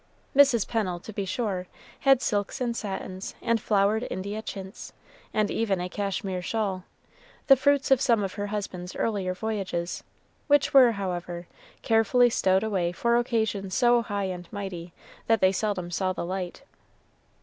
Mrs. Pennel, to be sure, had silks and satins, and flowered India chintz, and even a Cashmere shawl, the fruits of some of her husband's earlier voyages, which were, however, carefully stowed away for occasions so high and mighty, that they seldom saw the light.